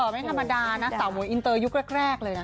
ไม่ธรรมดานะสาวหวยอินเตอร์ยุคแรกเลยนะ